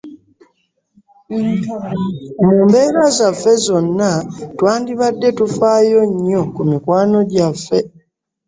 Mu mbeera zaffe zonna twandibadde tufaayo nnyo ku mikwano gyaffe.